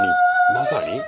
まさに？